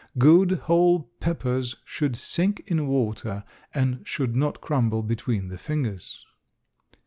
Good whole peppers should sink in water and should not crumble between the fingers.